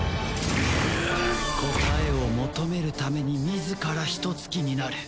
答えを求めるために自らヒトツ鬼になる。